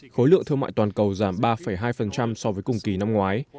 khối lượng thương mại toàn cầu giảm ba hai so với cùng kỳ năm ngoái